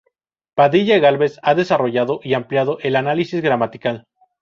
Padilla Gálvez ha desarrollado y ampliado el análisis gramatical.